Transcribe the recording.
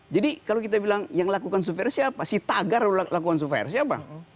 jadi kalau kita bilang yang lakukan sufer siapa si tagar lakukan sufer siapa